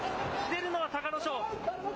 出るのは隆の勝。